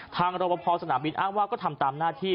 รบพอสนามบินอ้างว่าก็ทำตามหน้าที่